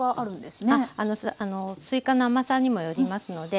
すいかの甘さにもよりますので。